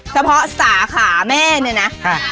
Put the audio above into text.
เฉพาะสาขาแม่เนี่ยนะ